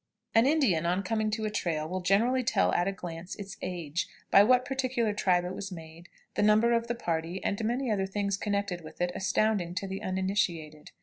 An Indian, on coming to a trail, will generally tell at a glance its age, by what particular tribe it was made, the number of the party, and many other things connected with it astounding to the uninitiated.